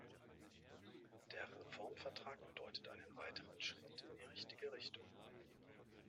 Der Reformvertrag bedeutet einen weiteren Schritt in die richtige Richtung.